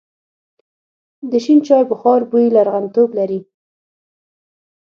د شین چای بخار بوی لرغونتوب لري.